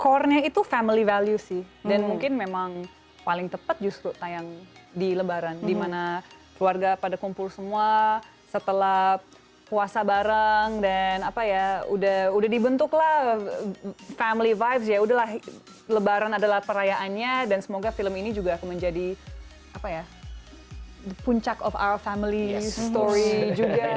core nya itu family value sih dan mungkin memang paling tepat justru tayang di lebaran dimana keluarga pada kumpul semua setelah puasa bareng dan apa ya udah dibentuk lah family vibes ya udahlah lebaran adalah perayaannya dan semoga film ini juga akan menjadi apa ya puncak of our family story juga